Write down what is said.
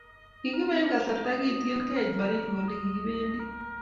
Kikibe eng kasarta kitikin keit Baringo olekikibendi